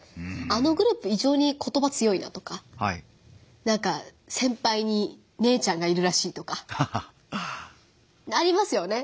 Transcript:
あのグループ異常にことば強いなとか先ぱいに姉ちゃんがいるらしいとかありますよね